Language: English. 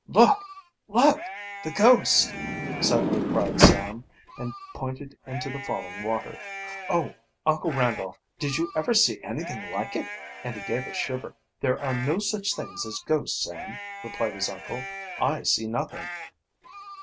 "Look! Look! The ghost!" suddenly cried Sam, and pointed into the falling water. "Oh, Uncle Randolph, did you ever see anything like it?" and he gave a shiver. "There are no such things as ghosts, Sam," replied his uncle. "I see nothing."